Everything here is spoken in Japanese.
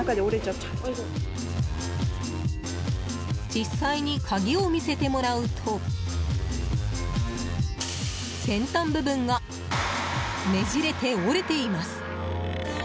実際に鍵を見せてもらうと先端部分がねじれて折れています。